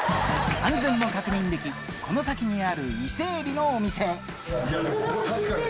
安全も確認できこの先にある伊勢海老のお店へ涼しい！